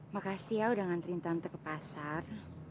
makasih ya udah ngantriin tante ke pasar